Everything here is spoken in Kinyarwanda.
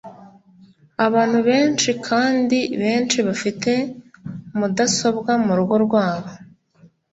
Abantu benshi kandi benshi bafite mudasobwa murugo rwabo.